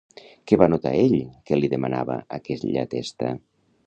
Què va notar ell que li demanava aquella testa?